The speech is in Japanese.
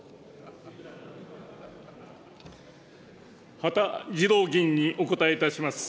羽田次郎議員にお答えいたします。